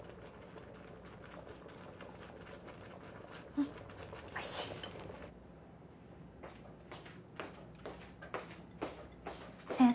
うんおいしい先生